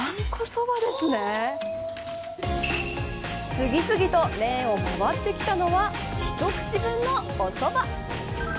次々とレーンを回ってきたのは一口分のおそば。